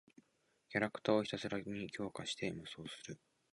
キャラクターをひたすらに強化して無双する。